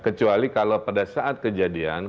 kecuali kalau pada saat kejadian